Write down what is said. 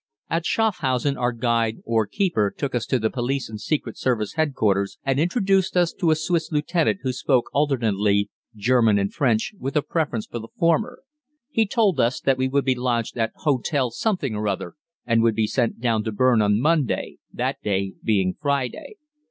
At Schafhausen our guide or keeper took us to the police and secret service headquarters and introduced us to a Swiss Lieutenant who spoke alternately German and French, with a preference for the former. He told us that we would be lodged at Hotel something or other, and would be sent down to Berne on Monday, that day being Friday.